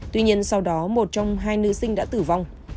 tuy nhiên sau đó một trong hai nữ sinh đã tử vong